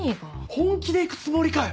本気で行くつもりかよ